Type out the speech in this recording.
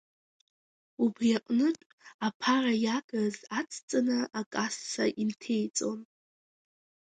Убри аҟынтә аԥара иагыз ацҵаны акасса инҭеиҵон.